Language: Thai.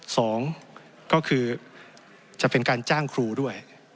สองก็คือจะเป็นการจ้างครูด้วย